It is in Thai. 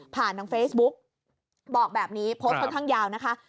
ทางเฟซบุ๊กบอกแบบนี้โพสต์ค่อนข้างยาวนะคะ